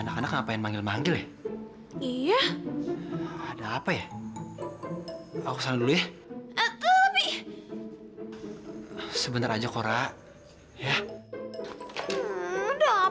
sampai jumpa di video selanjutnya